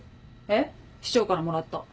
えっ市長からもらった。